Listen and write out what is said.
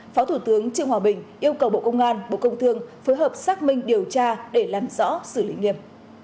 phó thủ tướng trương hòa bình yêu cầu bộ công an bộ công thương phối hợp xác minh điều tra để làm rõ xử lý nghiêm